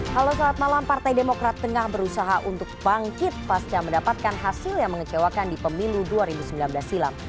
halo selamat malam partai demokrat tengah berusaha untuk bangkit pasca mendapatkan hasil yang mengecewakan di pemilu dua ribu sembilan belas silam